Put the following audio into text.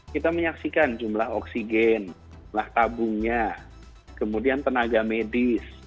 kita menyaksikan jumlah oksigen jumlah tabungnya kemudian tenaga medis